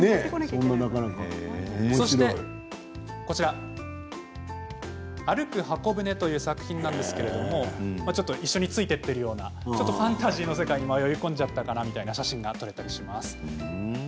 そして、「歩く方舟」という作品なんですけれどちょっと一緒について行っているようなファンタジーの世界に迷い込んじゃったみたいかなという写真が撮れたりします。